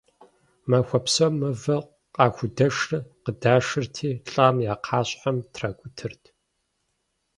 Махуэ псом мывэу къахудэшыр къыдашырти, лӀам и кхъащхьэм тракӀутэрт.